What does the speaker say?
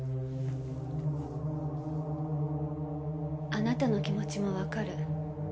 あなたの気持ちもわかる。